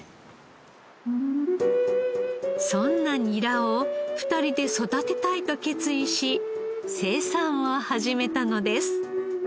そんなニラを２人で育てたいと決意し生産を始めたのです。